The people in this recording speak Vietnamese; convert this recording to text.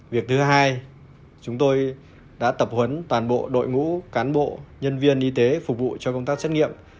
việc thứ hai chúng tôi đã tập huấn toàn bộ đội ngũ cán bộ nhân viên y tế phục vụ cho công tác xét nghiệm